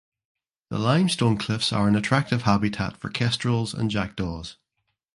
The limestone cliffs are an attractive habitat for kestrels and jackdaws.